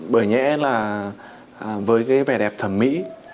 bởi nhẽ là với cái vẻ đẹp thẩm mỹ